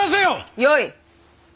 よい。